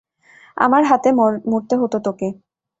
আমার হাতে মরতে হতো তোকে।